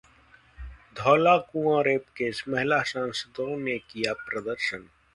Dhaulakuan rape case: महिला सांसदों ने किया प्रदर्शन